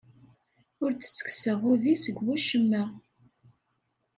Ur d-ttekkseɣ udi seg wacemma.